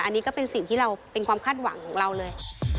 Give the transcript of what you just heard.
อันนี้ก็เป็นสิ่งที่เราเป็นความคาดหวังของเราเลย